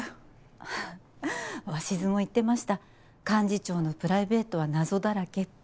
ははっ鷲津も言ってました幹事長のプライベートは謎だらけって。